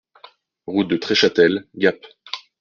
Route de Treschâtel, Gap